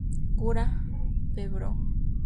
Cura Pbro.